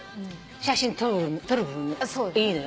写真撮る分いいのよ。